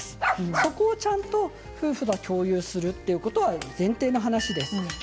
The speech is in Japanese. そこをきちんと夫婦が共有することは前提の話です。